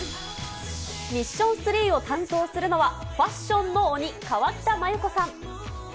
ミッション３を担当するのは、ファッションの鬼、河北麻友子さん。